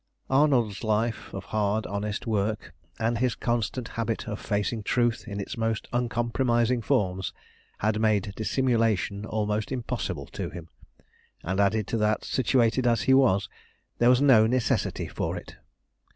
Arnold's life of hard, honest work, and his constant habit of facing truth in its most uncompromising forms, had made dissimulation almost impossible to him; and added to that, situated as he was, there was no necessity for it.